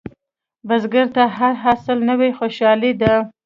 بزګر ته هر حاصل نوې خوشالي ده